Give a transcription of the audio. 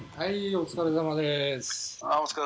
お疲れさまです。